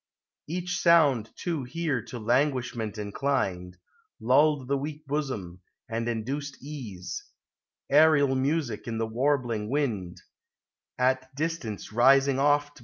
Each sound too here to languishment inclined, Lulled the weak bosom, and induced ease ; Aerial music in the warbling wind, At distance rising oft.